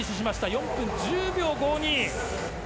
４分１０秒５２。